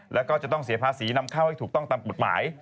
แล้วก็จะต้องเสียภาษีนำเข้าให้ถูกต้องตามกฎหมาย